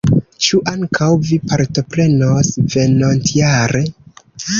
Ĉu ankaŭ vi partoprenos venontjare?